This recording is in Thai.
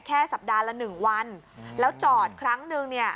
สัปดาห์ละหนึ่งวันแล้วจอดครั้งนึงเนี่ย